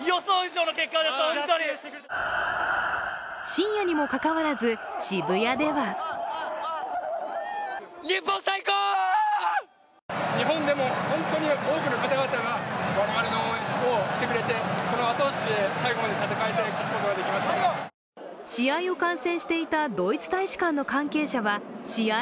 深夜にもかかわらず、渋谷では試合を観戦していたドイツ大使館の関係者は試合